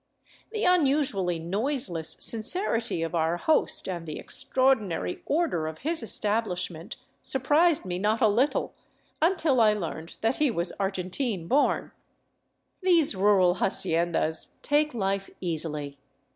The unusually noiseless sincerity of our host and the extraordinary order of his establishment surprised me not a little, until I learned that he was Argentine born. These rural haciendas take life easily.